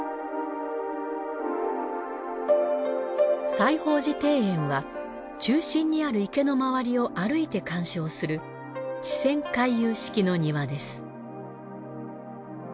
『西芳寺庭園』は中心にある池の周りを歩いて観賞する池泉回遊式の庭です。